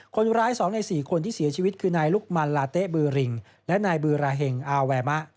คนร้าย๒ใน๔คนที่เสียชีวิตคือนายลุกมันลาเต๊ะบือริงและนายบือราเห็งอาแวมะ